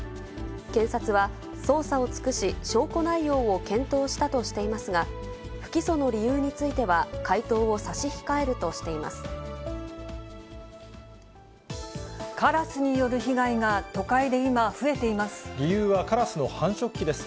検察は、捜査を尽くし証拠内容を検討したとしていますが、不起訴の理由については、カラスによる被害が、都会で理由はカラスの繁殖期です。